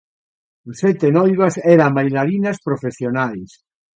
As sete noivas eran bailarinas profesionais.